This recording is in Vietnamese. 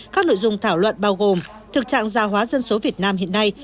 các nội dung thảo luận bao gồm thực trạng gia hóa dân số việt nam hiện nay